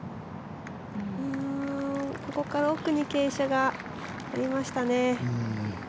ここから奥に傾斜がありましたね。